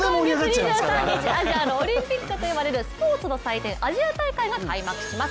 アジアのオリンピックと呼ばれるスポーツの祭典・アジア大会が開幕します。